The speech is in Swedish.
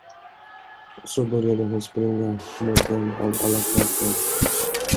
Och så började hon springa mot den av alla krafter.